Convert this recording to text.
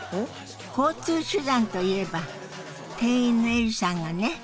交通手段といえば店員のエリさんがね